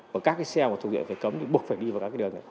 còn các cái xe mà thuộc diện phải cấm thì buộc phải đi vào các cái đường